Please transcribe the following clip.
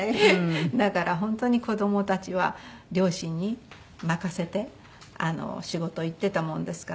だから本当に子供たちは両親に任せて仕事行ってたもんですから。